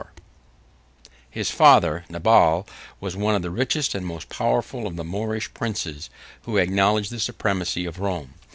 ] His father Nabal was one of the richest and most powerful of the Moorish princes, who acknowledged the supremacy of Rome.